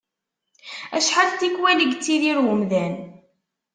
Acḥal n tikwal i yettidir umdan.